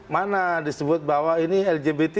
mana disebut bahwa ini lgbt